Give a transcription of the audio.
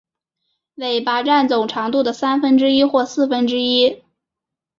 尾巴占总长度的三分之一或四分之一。